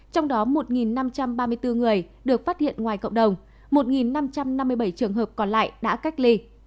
trong đó một năm trăm ba mươi bốn người được phát hiện ngoài cộng đồng một năm trăm năm mươi bảy trường hợp còn lại đã cách ly